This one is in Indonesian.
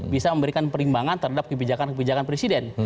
bisa memberikan perimbangan terhadap kebijakan kebijakan presiden